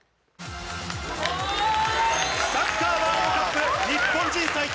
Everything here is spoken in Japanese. サッカーワールドカップ日本人最多